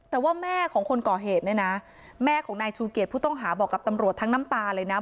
แต่ว่าแม่ของคนก่อเหตุเนี่ยนะแม่ของนายชูเกียจผู้ต้องหาบอกกับตำรวจทั้งน้ำตาเลยนะ